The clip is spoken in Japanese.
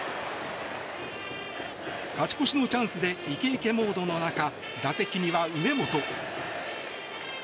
勝ち越しのチャンスでイケイケモードの中打席には上本。